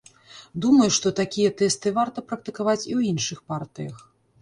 Думаю, што такія тэсты варта практыкаваць і ў іншых партыях.